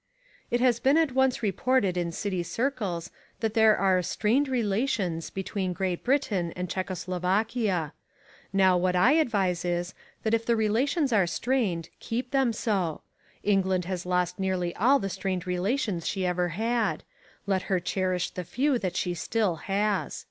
It has been at once reported in City circles that there are "strained relations" between Great Britain and Czecho Slovakia. Now what I advise is, that if the relations are strained, keep them so. England has lost nearly all the strained relations she ever had; let her cherish the few that she still has.